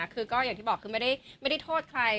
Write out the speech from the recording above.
คือแต่ตอนนี้ไม่ได้โทษใคร